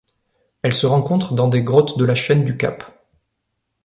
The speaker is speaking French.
Elle se rencontre dans des grottes de la chaîne du Cap.